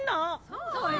そうよ！